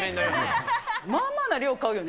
まあまあの量、買うよね。